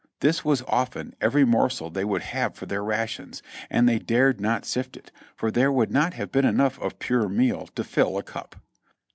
This was often every morsel they would have for their rations, and they dared not sift it, for there would not have been enough of pure meal to fill a cup.